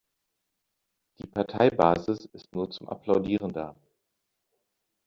Die Parteibasis ist nur zum Applaudieren da.